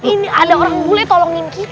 ini ada orang bule tolongin kita